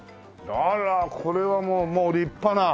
あらこれはもう立派な。